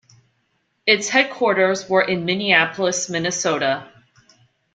Its headquarters were in Minneapolis, Minnesota.